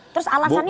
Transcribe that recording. terus alasannya apa